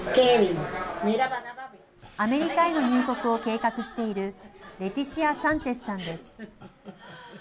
アメリカへの入国を計画しているレティシア・サンチェスさんです。